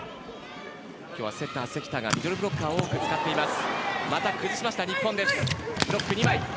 今日はセッター関田がミドルブロッカーを多く使っています。